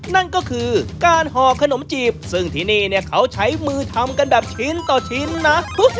นั่นก็คือการห่อขนมจีบซึ่งที่นี่เนี่ยเขาใช้มือทำกันแบบชิ้นต่อชิ้นนะ